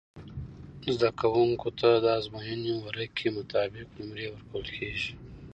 زده کوونکو ته د ازموينې ورقعی مطابق نمرې ورکول کیږی